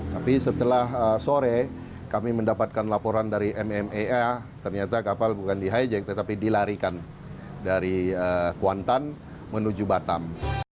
tapi setelah sore kami mendapatkan laporan dari mmaa ternyata kapal bukan di hijack tetapi dilarikan dari kuantan menuju batam